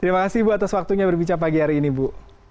terima kasih bu atas waktunya berbicara pagi hari ini bu